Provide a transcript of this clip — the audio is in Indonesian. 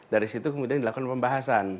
dari situ kemudian dilakukan pembahasan